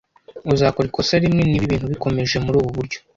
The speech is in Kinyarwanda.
Uzakora ikosa rimwe niba ibintu bikomeje murubu buryo.